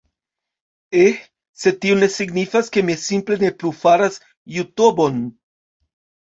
Eh, sed tio ne signifas ke mi simple ne plu faras Jutobon